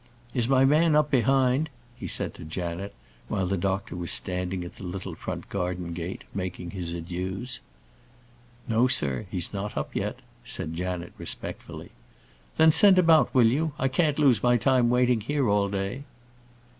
"Is my man up behind?" he said to Janet, while the doctor was standing at the little front garden gate, making his adieux. "No, sir, he's not up yet," said Janet, respectfully. "Then send him out, will you? I can't lose my time waiting here all day."